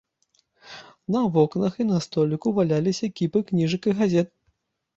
На вокнах і на століку валяліся кіпы кніжак і газет.